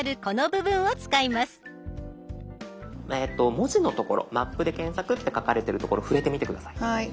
文字の所「マップで検索」って書かれてる所触れてみて下さい。